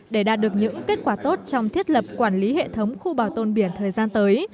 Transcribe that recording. để đạt được những kết quả tốt trong thiết lập quản lý hệ thống khu bảo tồn biển thời gian tới